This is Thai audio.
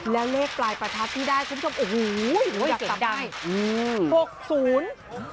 แล้วเลขปลายประทัดที่ได้คุณผู้ชมโอ้โฮเห็นดัง